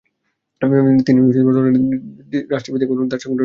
তিনি লন্ডনে ব্রিটিশ রাজনীতিবিদ এবং দার্শনিক ভিসকাউন্ট হালদেনের অতিথি হন।